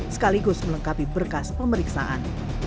sekaligus melengkapi berkas pemeriksaan